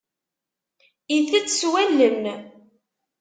Itett s wallen.